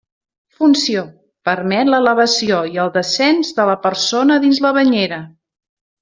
Funció: permet l'elevació i el descens de la persona dins la banyera.